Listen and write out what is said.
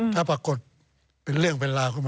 ถ้าปรากฏเป็นเรื่องเป็นราคุณ